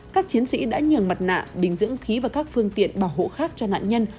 các chiến sĩ đã nhường mặt nạ bình dưỡng khí và các phương tiện bảo hộ khác cho nạn nhân